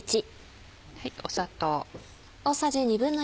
砂糖。